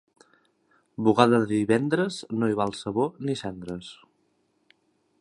Bugada de divendres, no hi val sabó ni cendres.